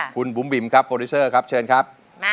คุณบุ๋มบิ๋มครับโปรดิวเซอร์ครับเชิญครับ